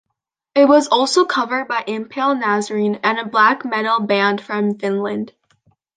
It was also covered by Impaled Nazarene, a black metal band from Finland.